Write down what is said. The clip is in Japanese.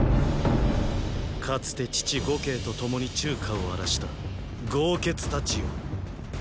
かつて父呉慶と共に中華を荒らした豪傑たちよ。